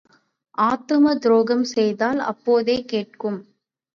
ஆத்துமத் துரோகம் செய்தால் அப்போதே கேட்கும்.